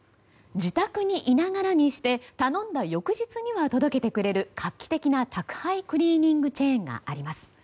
自宅にいながらにして頼んだ翌日には届けてくれる画期的な宅配クリーニングチェーンがあります。